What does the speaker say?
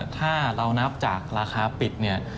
ถ้าเรานับจากราคาปิดเนี่ย